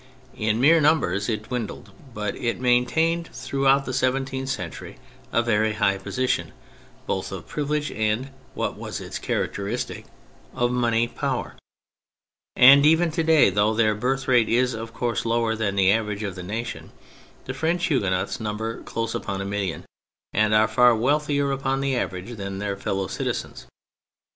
In mere numbers it dwindled, but it maintained throughout the seventeenth century a very high position, both of privilege and (what was its charac teristic) of money power; and even to day, though their birth rate is, of course, lower than the average of the nation, the French Huguenots number close upon a million, and are far wealthier, upon the average, than their fellow citizens.